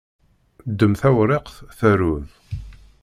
Ddem tawriqt, taruḍ!